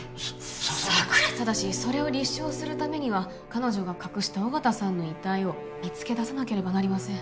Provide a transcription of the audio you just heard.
さ笹野君がただしそれを立証するためには彼女が隠した緒方さんの遺体を見つけ出さなければなりません